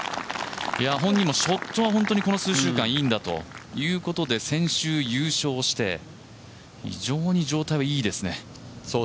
本人も、ショットはこの数週間本当にいいんだと、先週、優勝して、非常に状態はいいですね。